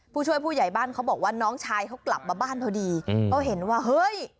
ผู้ช่วยผู้ใหญ่บ้านเขาบอกว่าน้องชายเขากลับมาบ้านพอดีเขาเห็นว่าเฮ้ย